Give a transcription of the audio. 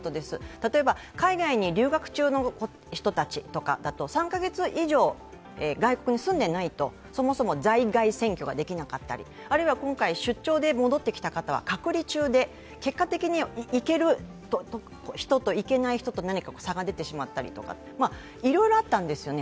例えば海外に留学中の人たちだと、３カ月以上、外国に住んでいないと、そもそも在外選挙ができなかったりあるいは今回、出張で戻ってきた方は隔離中で、結果的に行ける人と行けない人と何か差が出てしまったりとかいろいろあったんですよね。